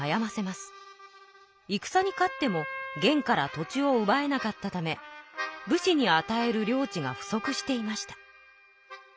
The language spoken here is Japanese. いくさに勝っても元から土地をうばえなかったため武士にあたえる領地が不足していました。